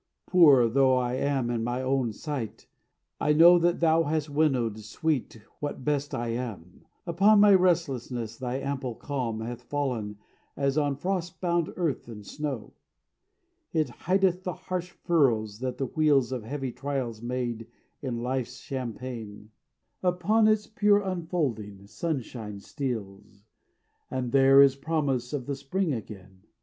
Poor though I am in my own sight, I know That thou hast winnowed, sweet, what best I am; Upon my restlessness thy ample calm Hath fallen as on frost bound earth the snow. It hideth the harsh furrows that the wheels Of heavy trials made in Life's champaign; Upon its pure unfolding sunshine steals, And there is promise of the spring again.